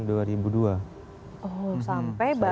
oh sampai baru